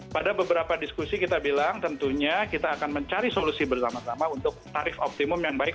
pada beberapa diskusi kita bilang tentunya kita akan mencari solusi bersama sama untuk tarif optimum yang baik